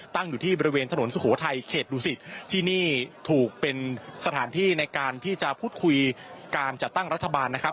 อยู่ที่บริเวณถนนสุโขทัยเขตดูสิตที่นี่ถูกเป็นสถานที่ในการที่จะพูดคุยการจัดตั้งรัฐบาลนะครับ